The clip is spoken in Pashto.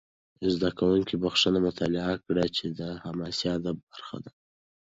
زده کوونکي بخښنه مطالعه کړي، چې د حماسي ادب برخه ده.